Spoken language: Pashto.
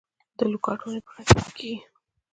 د لوکاټ ونې په ختیځ کې کیږي؟